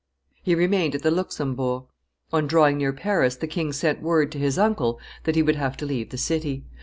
He remained at the Luxembourg. On drawing near Paris, the king sent word to his uncle that he would have to leave the city.